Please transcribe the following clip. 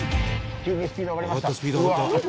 急にスピードが上がりました！